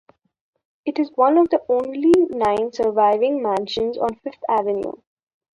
It is one of only nine surviving mansions on Fifth Avenue.